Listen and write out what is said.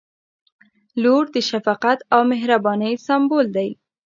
• لور د شفقت او مهربانۍ سمبول دی.